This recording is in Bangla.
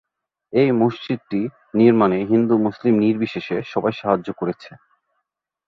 এই মসজিদটি নির্মাণে হিন্দু মুসলিম নির্বিশেষে সবাই সাহায্য করেছে।